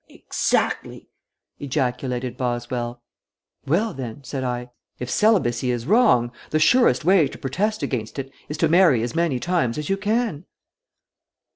"Exactly," ejaculated Boswell. "Well, then," said I, "if celibacy is wrong, the surest way to protest against it is to marry as many times as you can."